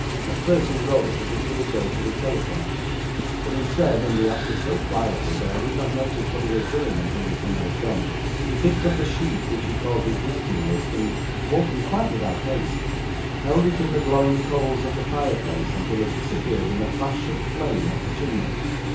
Macpherson rose as if he would go to the telephone, but instead (and he acted so quietly that I did not notice what he was doing until the thing was done), he picked up the sheet which he called his visiting list, and walking quite without haste, held it in the glowing coals of the fireplace until it disappeared in a flash of flame up the chimney.